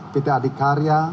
pt adik karya